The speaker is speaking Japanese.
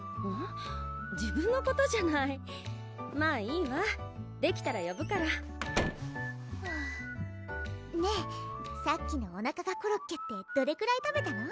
自分のことじゃないまぁいいわできたらよぶからふぅねぇさっきのおなかがコロッケってどれくらい食べたの？